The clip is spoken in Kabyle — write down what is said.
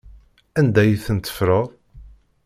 Anda ay tent-teffreḍ?